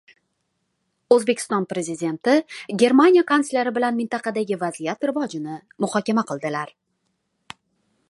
O‘zbekiston Prezidenti Germaniya Kansleri bilan mintaqadagi vaziyat rivojini muhokama qildilar